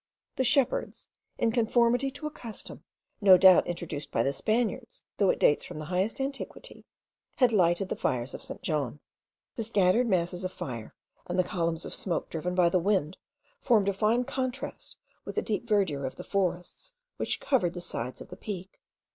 The shepherds, in conformity to a custom, no doubt introduced by the Spaniards, though it dates from the highest antiquity, had lighted the fires of St. John. The scattered masses of fire and the columns of smoke driven by the wind, formed a fine contrast with the deep verdure of the forests which covered the sides of the Peak.